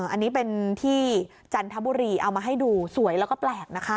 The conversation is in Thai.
อันนี้เป็นที่จันทบุรีเอามาให้ดูสวยแล้วก็แปลกนะคะ